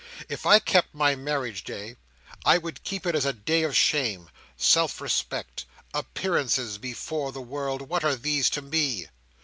If I kept my marriage day, I would keep it as a day of shame. Self respect! appearances before the world! what are these to me?